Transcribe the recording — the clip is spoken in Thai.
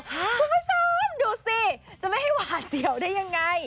คุณผู้ชมดูสิจะไม่ให้หวาดเสียวได้ยังไง